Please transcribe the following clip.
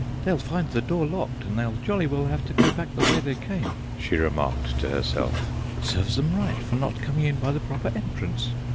"They'll find the door locked, and they'll jolly well have to go back the way they came," she remarked to herself. "Serves them right for not coming in by the proper entrance.